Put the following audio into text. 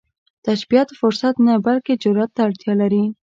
تشبث فرصت نه، بلکې جرئت ته اړتیا لري